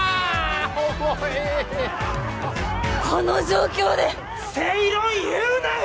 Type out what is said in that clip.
重いこの状況で正論言うなよ！